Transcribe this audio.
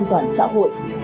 an toàn xã hội